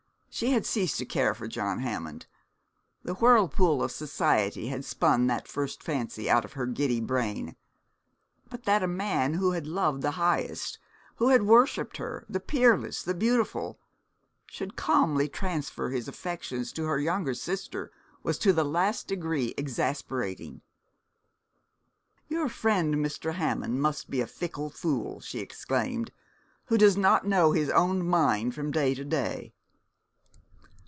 She had ceased to care for John Hammond. The whirlpool of society had spun that first fancy out of her giddy brain. But that a man who had loved the highest, who had worshipped her, the peerless, the beautiful, should calmly transfer his affections to her younger sister, was to the last degree exasperating. 'Your friend Mr. Hammond must be a fickle fool,' she exclaimed, 'who does not know his own mind from day to day.'